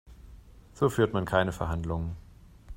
So führt man keine Verhandlungen.